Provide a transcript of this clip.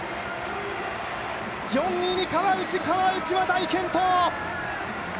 ４位に川内、川内は大健闘！